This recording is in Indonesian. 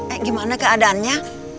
eh gimana keadaannya